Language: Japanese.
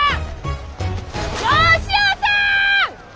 吉雄さん！